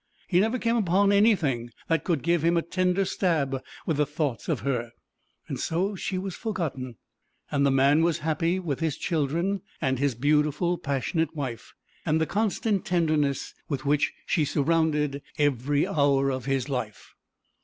He never came upon anything that could give him a tender stab with the thought of her. So she was forgotten, and the man was happy with his children and his beautiful passionate wife, and the constant tenderness with which she surrounded every hour of his life.